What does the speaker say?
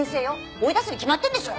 追い出すに決まってんでしょ！